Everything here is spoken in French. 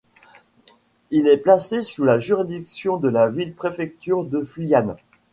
Il est placé sous la juridiction de la ville-préfecture de Fuyang.